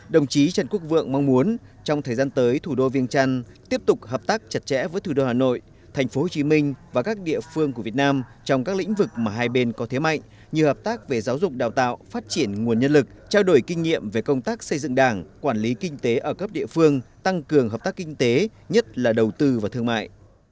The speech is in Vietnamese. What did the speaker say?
đồng chí trần quốc vượng mong muốn trong thời gian tới thủ đô viên trăn tiếp tục hợp tác chặt chẽ với thủ đô hà nội thành phố hồ chí minh và các địa phương của việt nam trong các lĩnh vực mà hai bên có thế mạnh như hợp tác về giáo dục đào tạo phát triển nguồn nhân lực trao đổi kinh nghiệm về công tác xây dựng đảng quản lý kinh tế ở cấp địa phương tăng cường hợp tác kinh tế nhất là đầu tư và thương mại